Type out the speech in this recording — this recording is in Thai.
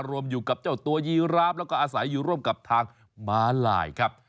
รวมอยู่กับเจ้าตัวยีราฟแล้วก็อาศัยอยู่ร่วมกับทางม้าลายครับ